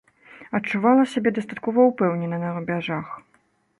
Адчувала сябе дастаткова ўпэўнена на рубяжах.